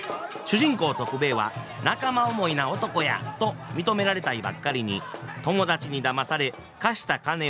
主人公徳兵衛は「仲間思いな男や」と認められたいばっかりに友達にだまされ貸した金を取られてしまいます。